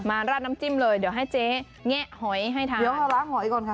ราดน้ำจิ้มเลยเดี๋ยวให้เจ๊แงะหอยให้ทานเดี๋ยวเราล้างหอยก่อนค่ะ